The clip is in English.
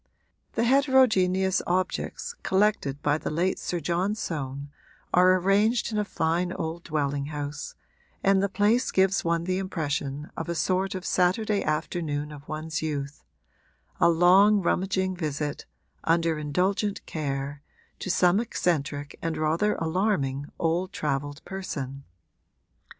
The heterogeneous objects collected by the late Sir John Soane are arranged in a fine old dwelling house, and the place gives one the impression of a sort of Saturday afternoon of one's youth a long, rummaging visit, under indulgent care, to some eccentric and rather alarming old travelled person.